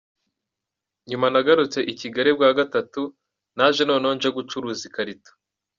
Nyuma nagarutse i Kigali bwa gatatu, naje noneho nje gucuruza ikarito.